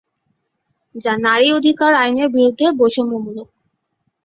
যা নারী অধিকার আইনের বিরুদ্ধে বৈষম্যমূলক।